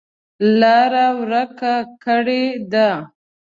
لاره ورکه کړې ده.